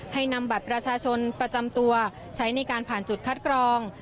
ให้นำบัตรประชาชนประจำตัวใช้ในการผ่านจุดคัดกรอง